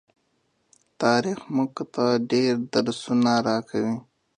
تاریخ مونږ ته ډیر درسونه راکوي.